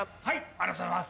ありがとうございます。